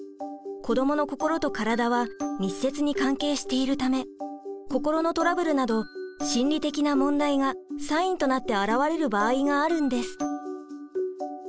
子どもの心と体は密接に関係しているため心のトラブルなど心理的な問題がサインとなって表れる場合があるんです。